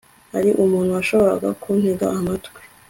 hari umuntu washoboraga kuntega amatwi